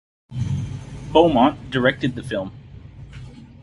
Beaumont directed the film.